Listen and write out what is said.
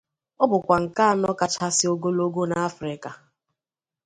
Ọ bụkwa nke anọ kachasị ogologo n ’Africa.